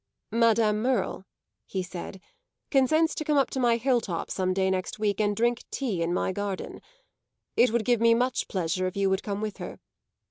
"Madame Merle," he said, "consents to come up to my hill top some day next week and drink tea in my garden. It would give me much pleasure if you would come with her.